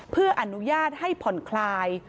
เพื่ออนุญาตให้ผ่อนคลาย